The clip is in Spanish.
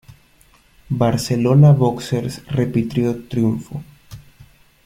Barcelona Boxers repitió triunfo.